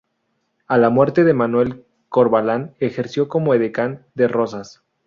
A la muerte de Manuel Corvalán ejerció como edecán de Rosas.